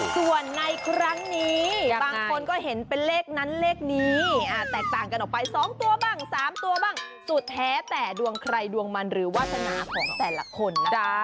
ส่วนในครั้งนี้บางคนก็เห็นเป็นเลขนั้นเลขนี้แตกต่างกันออกไป๒ตัวบ้าง๓ตัวบ้างสุดแท้แต่ดวงใครดวงมันหรือวาสนาของแต่ละคนนะจ๊ะ